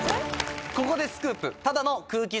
ここでスクープ。